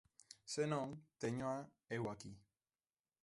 Se non, téñoa eu aquí.